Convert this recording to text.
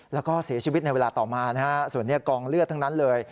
แล้วก็เสียชีวิตในเวลาต่อมานะฮะส่วนนี้กองเลือดทั้งนั้นเลย